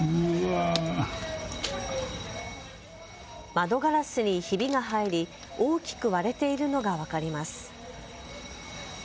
窓ガラスにひびが入り大きく割れているのが分かります。